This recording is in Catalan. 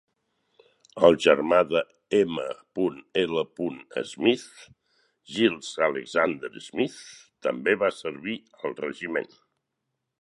El germà de M. L. Smith, Giles Alexander Smith, també va servir al regiment.